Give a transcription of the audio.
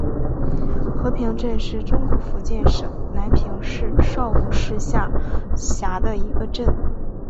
和平镇是中国福建省南平市邵武市下辖的一个镇。